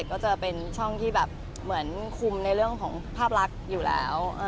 ก็จะมีเซ็นเซอร์อยู่แล้ว